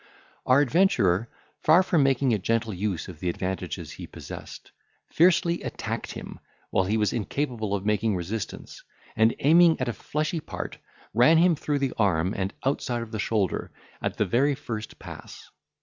Our adventurer, far from making a gentle use of the advantages he possessed, fiercely attacked him, while he was incapable of making resistance, and, aiming at a fleshy part, ran him through the arm and outside of the shoulder at the very first pass.